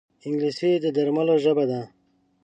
انګلیسي د درملو ژبه ده